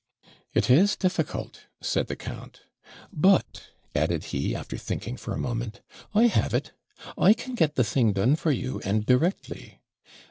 'It is difficult,' said the count. 'But,' added he, after thinking for a moment, 'I have it! I can get the thing done for you, and directly.